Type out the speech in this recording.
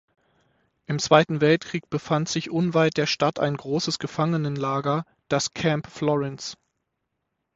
Im Zweiten Weltkrieg befand sich unweit der Stadt ein großes Gefangenenlager, das "Camp Florence".